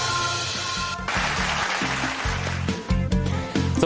มาเจอกันแบบนี้นะครับ